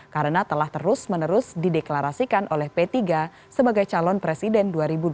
karena telah terus menerus dideklarasikan oleh p tiga sebagai calon presiden dua ribu dua puluh empat